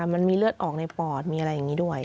มันมีเลือดออกในปอดมีอะไรอย่างนี้ด้วย